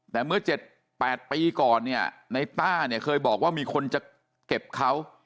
แต่เมื่อ๗๘ปีก่อนเนี่ยในต้าเนี่ยเคยบอกว่ามีคนจะเก็บเขา